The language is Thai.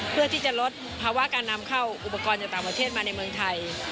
เพื่อที่จะลดภาวะการนำเข้าอุปกรณ์จากต่างประเทศมาในเมืองไทย